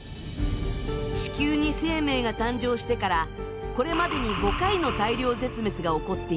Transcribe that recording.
地球に生命が誕生してからこれまでに５回の大量絶滅が起こっています。